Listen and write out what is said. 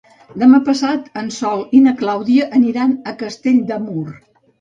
Demà passat en Sol i na Clàudia aniran a Castell de Mur.